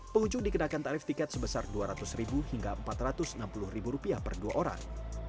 pengunjung dikenakan tarif tiket sebesar dua ratus ribu hingga empat ratus enam puluh ribu rupiah per dua orang